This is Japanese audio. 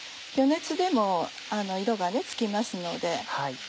余熱でも色がつきますので。